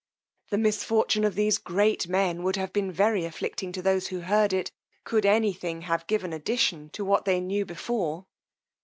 The misfortune of these great men would have been very afflicting to those who heard it, could any thing have given addition to what they knew before.